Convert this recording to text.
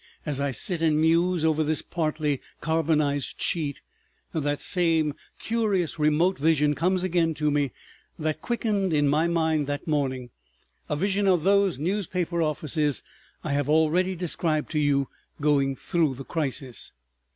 As I sit and muse over this partly carbonized sheet, that same curious remote vision comes again to me that quickened in my mind that morning, a vision of those newspaper offices I have already described to you going through the crisis.